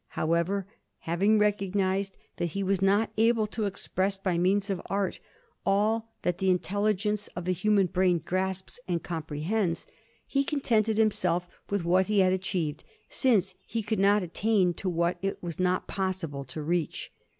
However, having recognized that he was not able to express by means of art all that the intelligence of the human brain grasps and comprehends, he contented himself with what he had achieved, since he could not attain to what it was not possible to reach.